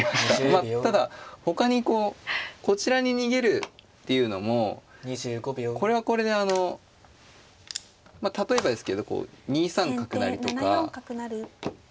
まあただほかにこうこちらに逃げるっていうのもこれはこれであの例えばですけどこう２三角成とか２二飛車成から。